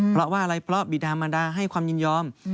เพราะว่าอะไรเพราะบิดามันดาให้ความยินยอม